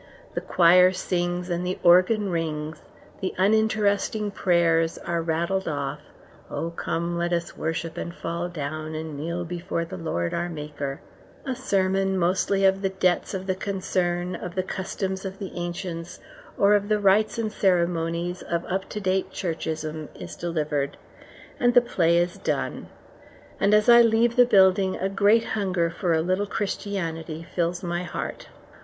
"The choir sings and the organ rings," the uninteresting prayers are rattled off ("O come, let us worship, and fall down: and kneel before the Lord, our Maker"); a sermon, mostly of the debts of the concern, of the customs of the ancients, or of the rites and ceremonies of up to date churchism, is delivered, and the play is done, and as I leave the building a great hunger for a little Christianity fills my heart.